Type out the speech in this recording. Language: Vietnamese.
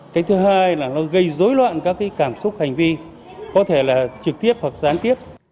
cái thứ hai là nó gây dối loạn các cái cảm xúc hành vi có thể là trực tiếp hoặc gián tiếp